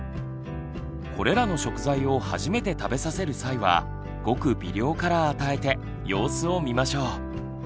これらの食材を初めて食べさせる際はごく微量から与えて様子を見ましょう。